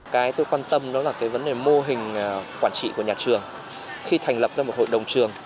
cái tôi quan tâm đó là cái vấn đề mô hình quản trị của nhà trường khi thành lập ra một hội đồng trường